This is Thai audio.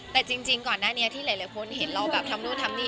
แต่จริงก่อนหน้านี้ที่หลายคนเห็นเราแบบทำนู่นทำนี่